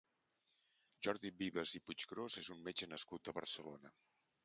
Jordi Vives i Puiggrós és un metge nascut a Barcelona.